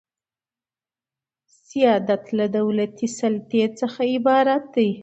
سیادت له دولتي سلطې څخه عبارت دئ.